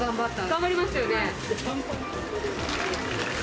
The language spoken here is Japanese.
頑張りましたよね。